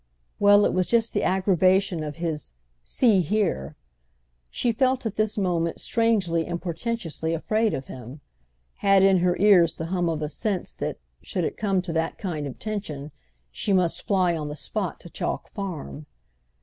Well, it was just the aggravation of his "See here!" She felt at this moment strangely and portentously afraid of him—had in her ears the hum of a sense that, should it come to that kind of tension, she must fly on the spot to Chalk Farm.